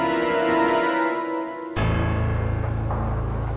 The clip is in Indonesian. tidak ada apa apa